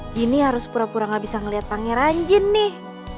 gini harus pura pura gak bisa ngeliat pangeran jin nih